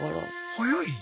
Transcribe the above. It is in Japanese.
早い。